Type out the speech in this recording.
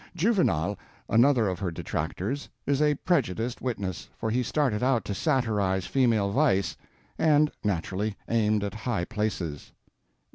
Juvenal, another of her detractors, is a prejudiced witness, for he started out to satirize female vice, and naturally aimed at high places.